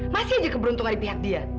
masih ada keberuntungan di pihak dia